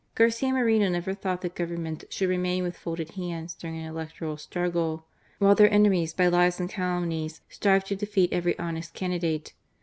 Garcia Moreno never thought that Governments should remain with folded hands during an electoral struggle, while their enemies by lies and calum nies strive to defeat every honest candidate.